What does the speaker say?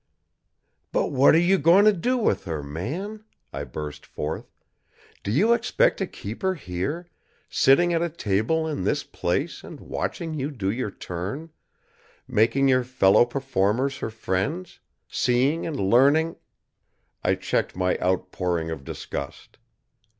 "But what are you going to do with her, man?" I burst forth. "Do you expect to keep her here; sitting at a table in this place and watching you do your turn, making your fellow performers her friends, seeing and learning ?" I checked my outpouring of disgust.